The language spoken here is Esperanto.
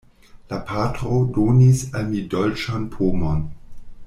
La patro donis al mi dolĉan pomon.